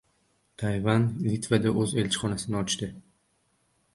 Tayvan Litvada o‘z elchixonasini ochdi